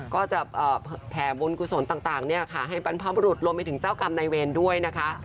ก็จะแผ่บุญกุศลต่างให้บรรพบรุษรวมไปถึงเจ้ากรรมในเวรด้วยนะคะ